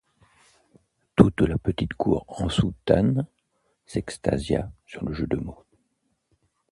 Toute la petite cour en soutane s’extasia sur le jeu de mots.